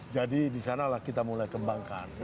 jadi di sanalah kita mulai kembangkan